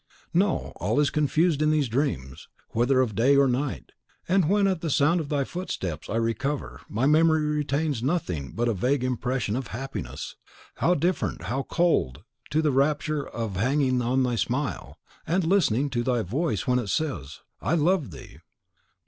"No; all is confused in these dreams, whether of day or night; and when at the sound of thy footsteps I recover, my memory retains nothing but a vague impression of happiness. How different how cold to the rapture of hanging on thy smile, and listening to thy voice, when it says, 'I love thee!